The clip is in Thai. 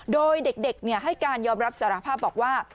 โดยเด็กให้การยอมรับสารภาพบอกว่า